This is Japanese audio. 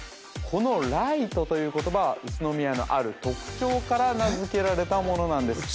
この「ライト」という言葉は宇都宮のある特徴から名付けられたものなんです